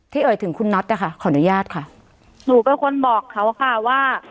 เอ่ยถึงคุณน็อตนะคะขออนุญาตค่ะหนูเป็นคนบอกเขาค่ะว่า